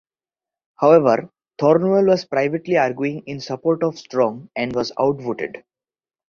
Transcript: However, Thornwell was privately arguing in support of Strong and was outvoted.